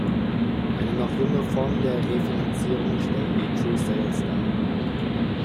Eine noch junge Form der Refinanzierung stellen die "True Sales" dar.